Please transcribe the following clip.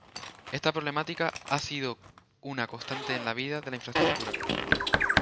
Esta problemática ha sido una constante en la vida de la infraestructura.